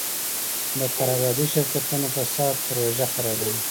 د قراردادي شرکتونو فساد پروژه خرابوي.